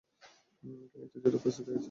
এখানে একটা জরুরি পরিস্থিতি হয়েছে।